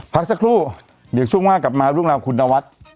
พักสักครู่เดี๋ยวช่วงหน้ากลับมาเรื่องราวคุณนวัด